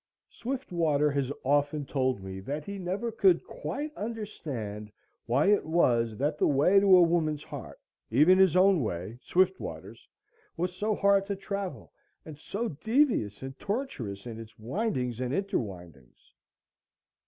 SWIFTWATER has often told me that he never could quite understand why it was that the way to a woman's heart, even his own way Swiftwater's was so hard to travel and so devious and tortuous in its windings and interwindings.